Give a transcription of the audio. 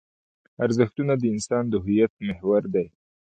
ارزښتونه د انسان د هویت محور دي.